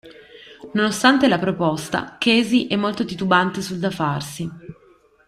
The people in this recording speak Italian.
Nonostante la proposta, Casey è molto titubante sul da farsi.